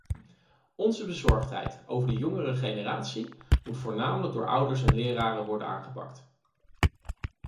Onze bezorgdheid over de jongere generatie moet voornamelijk door ouders en leraren worden aangepakt.